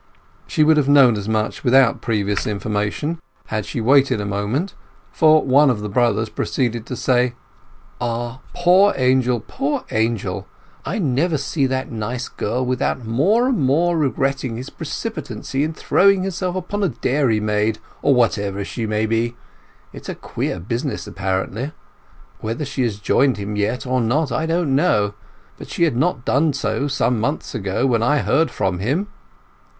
She would have known as much without previous information if she had waited a moment, for one of the brothers proceeded to say: "Ah! poor Angel, poor Angel! I never see that nice girl without more and more regretting his precipitancy in throwing himself away upon a dairymaid, or whatever she may be. It is a queer business, apparently. Whether she has joined him yet or not I don't know; but she had not done so some months ago when I heard from him."